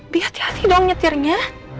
biar hati hati dong nyetirnya